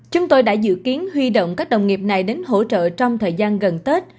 chúng tôi đã dự kiến huy động các đồng nghiệp này đến hỗ trợ trong thời gian gần tết